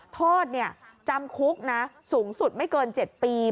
โทษจำคุกนะสูงสุดไม่เกิน๗ปี